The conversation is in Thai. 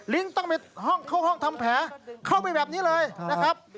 ต้องไปห้องเข้าห้องทำแผลเข้าไปแบบนี้เลยนะครับ